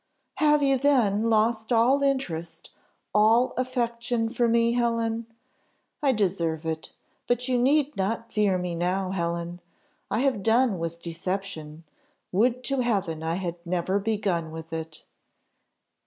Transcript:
"Have you, then, lost all interest, all affection for me, Helen? I deserve it! But you need not fear me now, Helen: I have done with deception, would to Heaven I had never begun with it!"